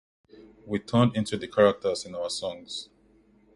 We turned into the characters in our songs.